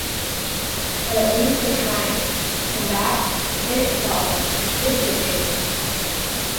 But at least they're trying, and that, in itself, is good news.